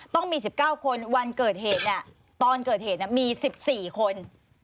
ต้องมี๑๙คนวันเกิดเหตุเนี่ยตอนเกิดเหตุมี๑๔คน